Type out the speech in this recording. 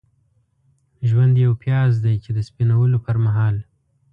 ژوند یو پیاز دی چې د سپینولو پرمهال.